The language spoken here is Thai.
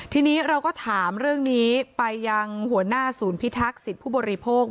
ทีนี้เราก็ถามเรื่องนี้ไปยังหัวหน้าศูนย์พิทักษิตผู้บริโภค